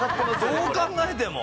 どう考えても。